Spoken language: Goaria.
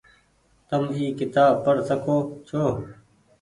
تم اي ڪتاب پڙ سکو ڇو۔